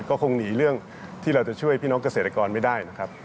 ก็คงหนีเรื่องที่เราจะช่วยพี่น้องเกษตรกรไม่ได้นะครับ